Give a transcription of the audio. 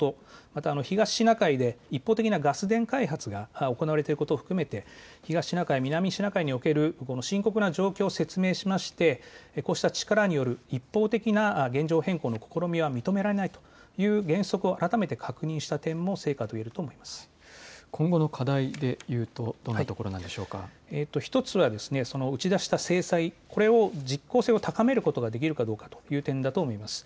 また東シナ海で一方的なガス田開発が行われていることを含めて東シナ海、南シナ海における深刻な状況を説明しまして、こうした力による一方的な現状変更の試みは認められないという原則を改めて確認した点も今後の課題で言うと１つは、打ち出した制裁、これを実効性を高めることができるかどうかという点だと思います。